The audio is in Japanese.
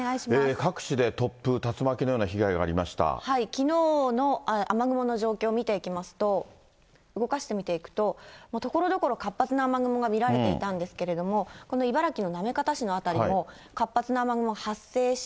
各地で突風、きのうの雨雲の状況、見ていきますと、動かして見ていくと、ところどころ活発な雨雲が見られていたんですけれども、この茨城の行方市の辺りも活発な雨雲が発生して。